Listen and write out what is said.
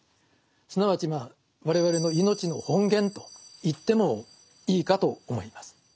すなわちまあ我々の命の本源と言ってもいいかと思います。